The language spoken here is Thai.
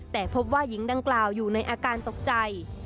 แต่พบว่าหญิงดังกล่าวอยู่ในอาการตกใจ